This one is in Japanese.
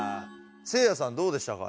せいやさんどうでしたか？